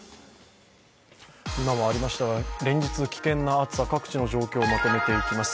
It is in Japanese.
今もありましたが連日、危険な暑さ各地の状況をまとめていきます。